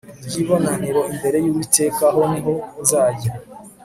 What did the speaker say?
ry ibonaniro imbere y Uwiteka Aho ni ho nzajya